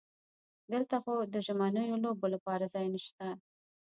دلته خو د ژمنیو لوبو لپاره ځای نشته.